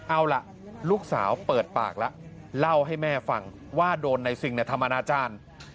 เอาล่ะลูกสาวเปิดปากแล้วเล่าให้แม่ฟังว่าโดนในซิงทำอนาจารย์